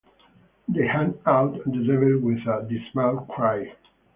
They hunt out the devil with a dismal cry.